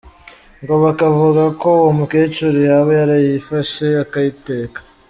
Ngo bakavuga ko uwo mukecuru yaba yarayifashe akayiteka.